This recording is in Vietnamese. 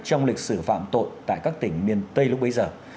trong lịch sử phạm tội tại các tỉnh miền tây lúc bấy giờ